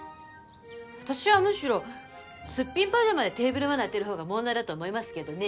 私はむしろすっぴんパジャマでテーブルマナーやってるほうが問題だと思いますけどね。